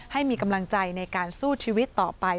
ให้มีกำลังใจในการสู้ชีวิตต่อไป